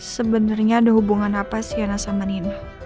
sebenernya ada hubungan apa sianah sama nino